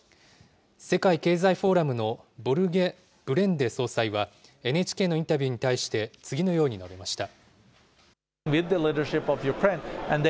世界経済フォーラムのボルゲ・ブレンデ総裁はＮＨＫのインタビューに対して、次のように述べました。